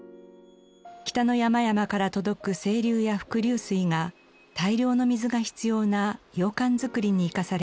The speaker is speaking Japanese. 北の山々から届く清流や伏流水が大量の水が必要な羊羹作りに生かされました。